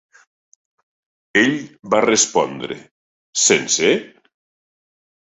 Ell va respondre: "Sense?"